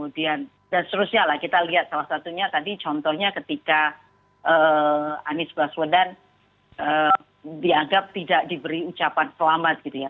dan seterusnya kita lihat salah satunya tadi contohnya ketika anies baswedan dianggap tidak diberi ucapan selamat